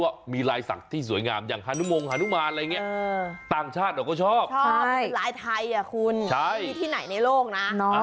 ไม่มีที่ไหนในโลกนะ